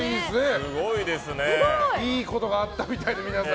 すごい！いいことがあったみたいで皆さん。